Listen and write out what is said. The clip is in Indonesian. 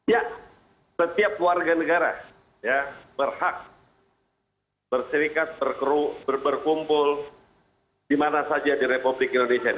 ya setiap warga negara berhak berserikat berkumpul di mana saja di republik indonesia ini